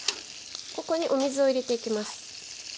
ここにお水を入れていきます。